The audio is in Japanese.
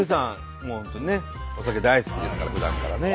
もう本当にねお酒大好きですからふだんからね。